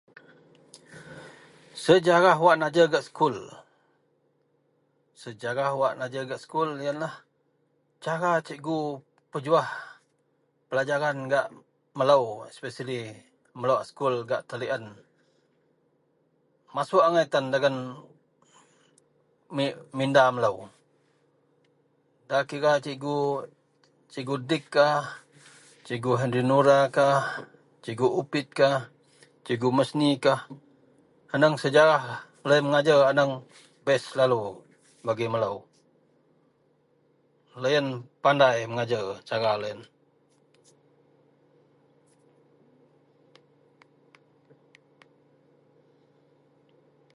Sejarah wak najer gak sekul, sejarah wak najer gak sekul yenlah cara cikgu pejuwah pelajaran gak melou spesialy melou a gak Tellian, masuok angai tan dagen me minda melou. Nda kira cikgu Dick kah, cikgu Henry Nura kah, cikgu Upitkah, cikgu Masnikah. Aneng sejarah loyen mengajer aneng best lalu bagi melou. Loyen pandai mengajer cara loyen.